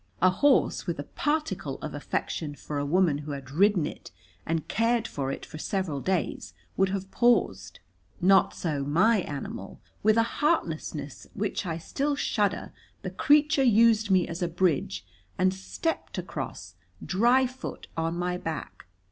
A horse with a particle of affection for a woman who had ridden it and cared for it for several days would have paused. Not so my animal. With a heartlessness at which I still shudder the creature used me as a bridge, and stepped across, dryfoot, on my back.